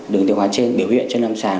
đường tiêu hóa trên biểu hiện trên âm sàng